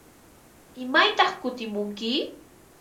¿Imaytaq kutimunki?